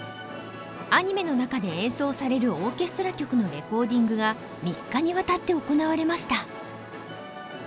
アニメの中で演奏されるオーケストラ曲のレコーディングが３日にわたって行われました。